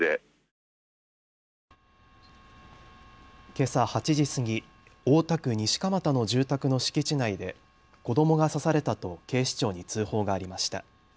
けさ８時過ぎ大田区西蒲田の住宅の敷地内で子どもが刺されたと警視庁に通報がありました。